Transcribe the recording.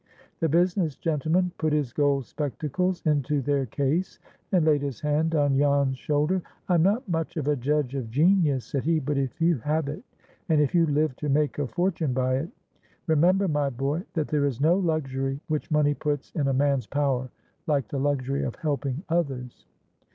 The business gentleman put his gold spectacles into their case, and laid his hand on Jan's shoulder. "I am not much of a judge of genius," said he, "but if you have it, and if you live to make a fortune by it, remember, my boy, that there is no luxury which money puts in a man's power like the luxury of helping others."